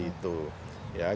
kita harus memilih apa